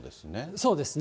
そうですね。